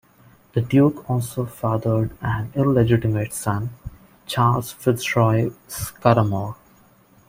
The Duke also fathered an illegitimate son, Charles FitzRoy-Scudamore.